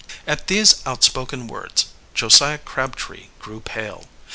At these outspoken words Josiah Crabtree grew pale.